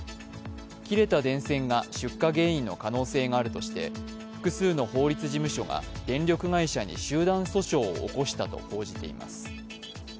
切れた電線が出火原因の可能性があるとして複数の法律事務所が電力会社に集団訴訟を起こしたと報じています